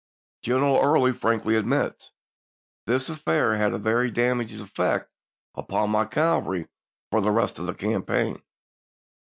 General Early «MeSof frankly admits, "This affair had a very damaging YeaJof^the effect upon my cavalry for the rest of the cam p 75. paign."